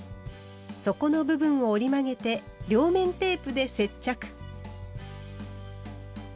底の部分を折り曲げて両面テープで接着。